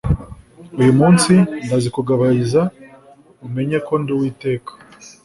Uyu munsi ndazikugabiza umenye ko ndi Uwiteka’ ”